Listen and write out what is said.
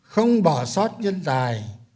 không bỏ sót nhân tài